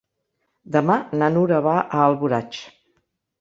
Demà na Nura va a Alboraig.